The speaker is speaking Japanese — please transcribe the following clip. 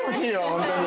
ホントに。